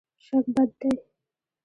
شک بد دی.